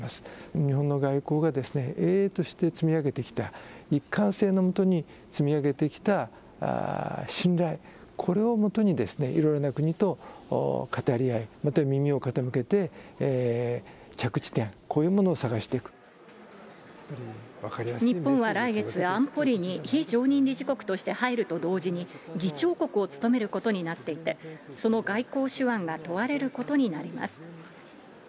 日本の外交が営々として積み上げてきた一貫性のもとに積み上げてきた信頼、これをもとにですね、いろいろな国と語り合い、また耳を傾けて、着地点、こういうもの日本は来月、安保理に非常任理事国として入ると同時に、議長国を務めることになっていて、その外交手腕が問われることになります。